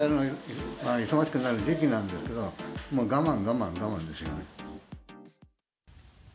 われわれが忙しくなる時期なんですけど、我慢、我慢、我慢ですよね。